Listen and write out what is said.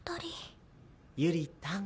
ゆりたん。